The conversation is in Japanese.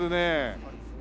そうですね。